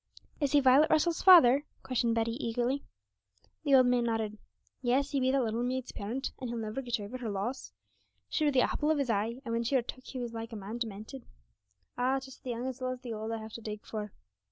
'Is he Violet Russell's father?' questioned Betty eagerly. The old man nodded. 'Yes, he be that little maid's parent, and he'll never get over her loss. She were the apple of his eye, and when she were took, he were like a man demented. Ah, 'tis the young as well as the old I have to dig for!'